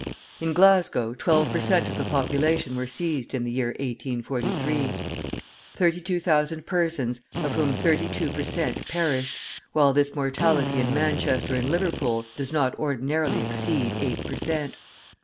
In Glasgow, twelve per cent. of the population were seized in the year 1843; 32,000 persons, of whom thirty two per cent. perished, while this mortality in Manchester and Liverpool does not ordinarily exceed eight per cent.